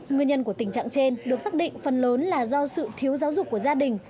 nguyên nhân của tình trạng trên được xác định phần lớn là do sự thiếu giáo dục của gia đình